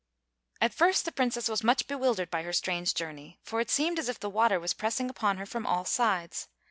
At first the Princess was much bewildered by her strange journey, for it seemed as if the water was pressing upon her from all sides.